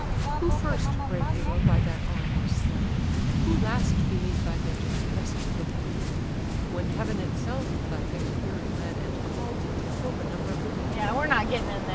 Who first, brave hero! by that arm was slain, Who last beneath thy vengeance press'd the plain; When heaven itself thy fatal fury led, And call'd to fill the number of the dead?